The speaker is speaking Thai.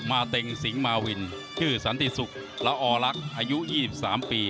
เต็งสิงหมาวินชื่อสันติศุกร์ละออลักษณ์อายุ๒๓ปี